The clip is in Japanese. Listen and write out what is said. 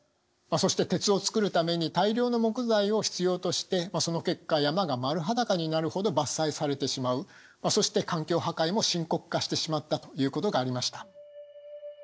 そして鉄を作るために大量の木材を必要としてその結果山が丸裸になるほど伐採されてしまうそして環境破壊も深刻化してしまったということがありました。